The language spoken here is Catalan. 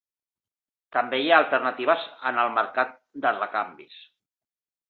També hi ha alternatives en el mercat de recanvis.